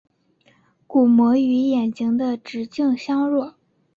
鼓膜与眼睛的直径相若。